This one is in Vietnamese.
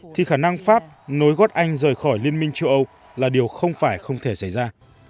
thì khả năng pháp nối gót anh rời khỏi liên minh châu âu là điều không phải không thể xảy ra